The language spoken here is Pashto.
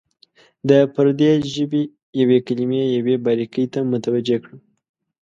د پردۍ ژبې یوې کلمې یوې باریکۍ ته متوجه کړم.